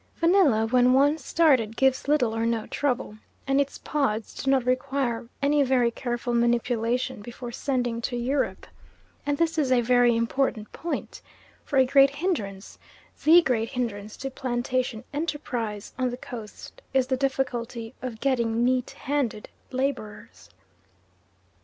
Vanilla when once started gives little or no trouble, and its pods do not require any very careful manipulation before sending to Europe, and this is a very important point, for a great hindrance THE great hindrance to plantation enterprise on the Coast is the difficulty of getting neat handed labourers.